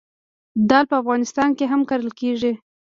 دال په افغانستان کې هم کرل کیږي.